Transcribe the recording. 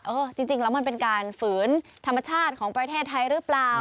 เออจริงแล้วมันเป็นการฝืนธรรมชาติของประเทศไทยหรือเปล่า